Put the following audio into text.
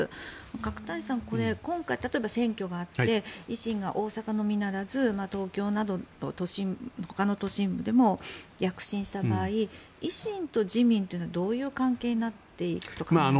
角谷さん、これ、例えば今回選挙があって維新が大阪のみならず東京など、ほかの都心部でも躍進した場合維新と自民というのはどういう関係になっていくと考えられますか？